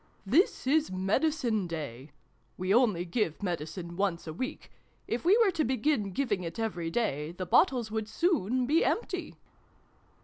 " This is Medicine Day ! We only give Medicine once a week. If we were to begin giving it every day, the bottles would soon be empty